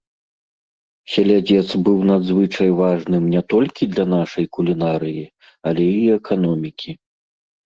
Селядзец быў надзвычай важным не толькі для нашай кулінарыі, але і эканомікі.